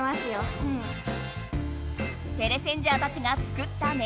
テレセンジャーたちが作ったね